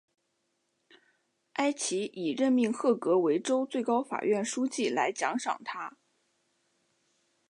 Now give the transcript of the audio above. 埃奇以任命赫格为州最高法院书记来奖赏他。